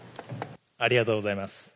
ありがとうございます。